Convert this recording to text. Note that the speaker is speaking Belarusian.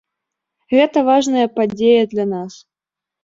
Гэта важная падзея для нас.